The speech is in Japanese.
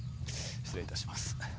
失礼いたします。